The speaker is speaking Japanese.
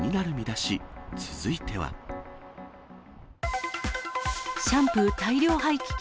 シャンプー大量廃棄危機。